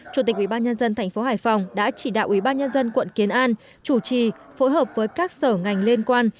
chủ tịch ubnd tp hải phòng đã chỉ đạo ubnd quận kiến an chủ trì phối hợp với các sở ngành liên quan